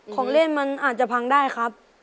ของเล่นมันอาจจะพังได้ครับ